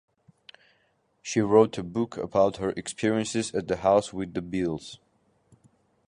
She wrote a book about her experiences at the house with the Beales.